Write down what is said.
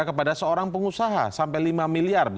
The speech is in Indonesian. kepada seorang pengusaha sampai lima miliar